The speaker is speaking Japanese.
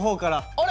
あれ？